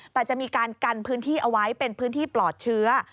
แต่จะมีการกันพื้นที่เอาไว้เป็นพื้นที่ปลอดเชื้อ